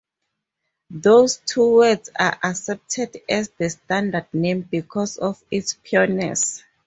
Those two words are accepted as the standard name because of its pureness.